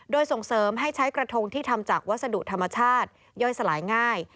โดยส่งเสริมให้ใช้กระทงที่ทำจากวัสดุธรรมชาติย่อยสลายง่าย